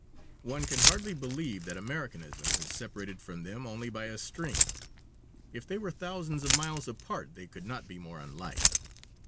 One can hardly believe that Americanism is separated from them only by a stream. If they were thousands of miles apart they could not be more unlike.